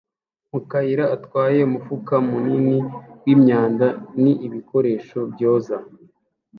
mu kayira atwaye umufuka munini w'imyanda n'ibikoresho byoza